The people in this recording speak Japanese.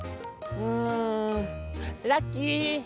うんラッキー！」。